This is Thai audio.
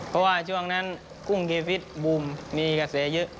เพราะว่าช่วงนั้นกุ้งเคฟิศบูมมีกระแสเยอะ